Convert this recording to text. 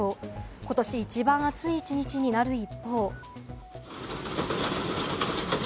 ことし一番暑い一日になる一方。